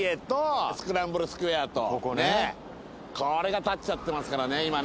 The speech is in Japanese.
これが立っちゃってますからね今ね。